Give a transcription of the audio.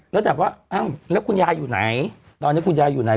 แล้วแบบว่าอ้าวแล้วคุณยายอยู่ไหนตอนนี้คุณยายอยู่ไหน